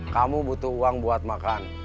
kamu butuh uang buat makan